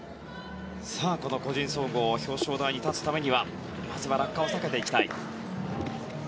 この個人総合表彰台に立つためにはまずは落下を避けていきたい。